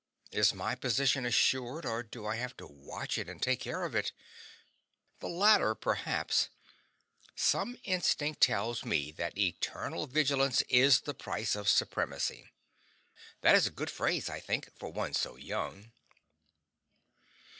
Is my position assured, or do I have to watch it and take care of it? The latter, perhaps. Some instinct tells me that eternal vigilance is the price of supremacy. [That is a good phrase, I think, for one so young.